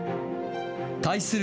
対する